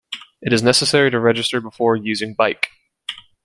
It is necessary to register before using bike.